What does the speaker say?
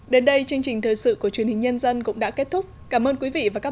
đến đây chương trình thời sự của truyền hình nhân dân cũng đã kết thúc cảm ơn quý vị và các bạn